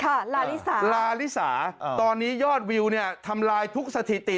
ลาลิสาลาลิสาตอนนี้ยอดวิวเนี่ยทำลายทุกสถิติ